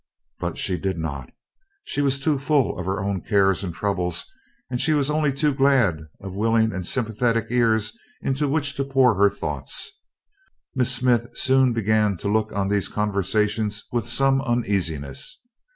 But she did not. She was too full of her own cares and troubles, and she was only too glad of willing and sympathetic ears into which to pour her thoughts. Miss Smith soon began to look on these conversations with some uneasiness.